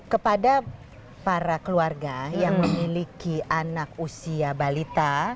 kepada para keluarga yang memiliki anak usia balita